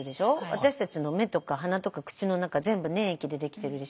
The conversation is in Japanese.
私たちの目とか鼻とか口の中全部粘液でできてるでしょ。